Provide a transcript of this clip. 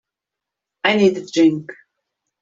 I need a drink.